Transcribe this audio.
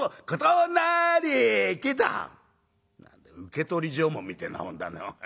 「受取証文みてえなもんだねおい。